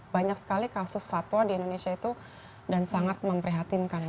banyak sekali kasus satwa di indonesia itu dan sangat memprihatinkan